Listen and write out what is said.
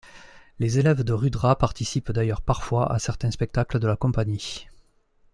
Les élèves de Rudra participent d'ailleurs parfois à certains spectacles de la compagnie.